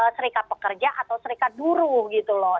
serikat pekerja atau serikat buruh gitu loh